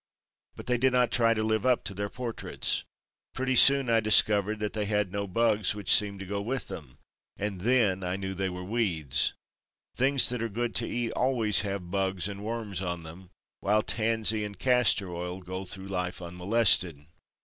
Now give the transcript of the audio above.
But they did not try to live up to their portraits. Pretty soon I discovered that they had no bugs which seemed to go with them, and then I knew they were weeds. Things that are good to eat always have bugs and worms on them, while tansy and castor oil go through life unmolested.